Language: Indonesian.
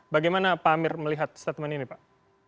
bagaimana pak amir melihat statement ini pak